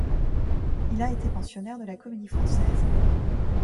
Il a été pensionnaire de la Comédie-Française.